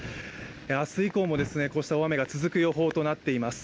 明日以降もこうした大雨が続く予報となっています。